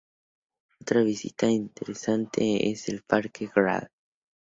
Otra visita interesante es el "Parque Gral.